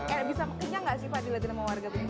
kayak bisa kenyang gak sih pak dilihatin sama warga